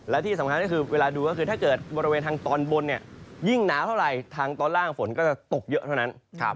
และที่สำคัญก็คือเวลาดูก็คือถ้าเกิดบริเวณทางตอนบนเนี่ยยิ่งหนาวเท่าไหร่ทางตอนล่างฝนก็จะตกเยอะเท่านั้น